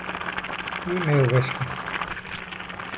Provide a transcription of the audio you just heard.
E-mail wiskje.